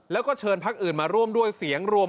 แล้วก็เชิญพักอื่นมาร่วมด้วยเสียงรวม